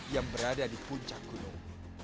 yang berada di puncak gunung